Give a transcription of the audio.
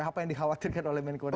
apa yang dikhawatirkan oleh menko reda